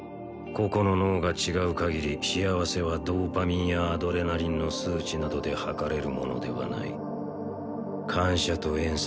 個々の脳が違うかぎり幸せはドーパミンやアドレナリンの数値などではかれるものではない感謝と怨嗟